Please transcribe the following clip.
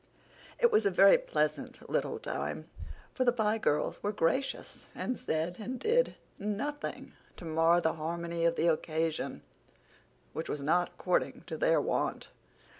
It was a very pleasant little time, for the Pye girls were gracious, and said and did nothing to mar the harmony of the occasion—which was not according to their wont.